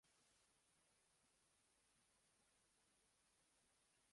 Fransiyaning to‘rtta hududiga kuchli suv toshqini tahdid solmoqda